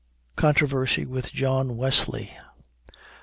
CONTROVERSY WITH JOHN WESLEY.